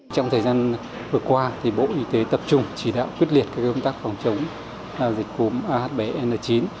trong thời gian vừa qua bộ y tế tập trung chỉ đạo quyết liệt các công tác phòng chống dịch cúm ah bảy n chín